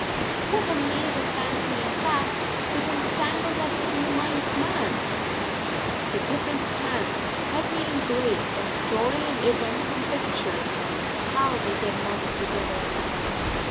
What a maze of fancy and fact becomes tangled up within the mind of man! The different strands petty and great of story and event and picture, how they get knotted together!